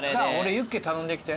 ユッケ頼んできて。